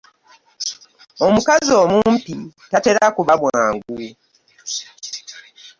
Omukazi omumpi tatera kuba mwangu!